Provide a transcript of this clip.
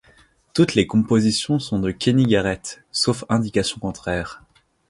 Toutes les compositions sont de Kenny Garrett, sauf indication contraire.